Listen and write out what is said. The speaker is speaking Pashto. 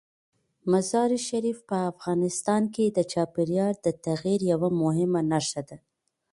مزارشریف په افغانستان کې د چاپېریال د تغیر یوه مهمه نښه ده.